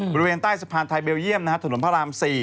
บริเวณใต้สะพานไทยเบลเยี่ยมถนนพระราม๔